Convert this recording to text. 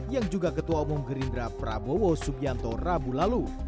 yang juga ketua umum gerindra prabowo subianto rabu lalu